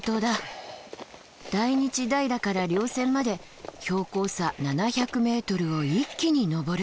大日平から稜線まで標高差７００ｍを一気に登る。